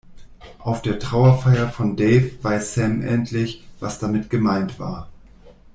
Auf der Trauerfeier von Dave weiß Sam endlich, was damit gemeint war.